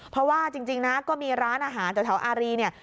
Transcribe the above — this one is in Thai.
เพราะว่าจริงนะก็มีร้านอาหารแถวอารีเนี่ย